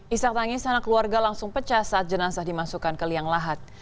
isak tangis anak keluarga langsung pecah saat jenazah dimasukkan ke liang lahat